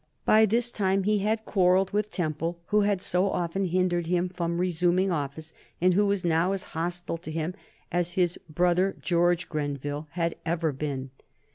By this time he had quarrelled with Temple, who had so often hindered him from resuming office, and who was now as hostile to him as his brother, George Grenville, had ever been.